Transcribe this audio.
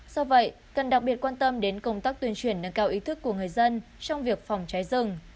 do vậy cần đặc biệt quan tâm đến công tác tuyên truyền nâng cao ý thức của người dân trong việc phòng cháy rừng